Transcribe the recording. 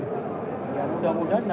ya mudah mudahan ya